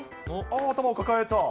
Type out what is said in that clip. ああ、頭を抱えた。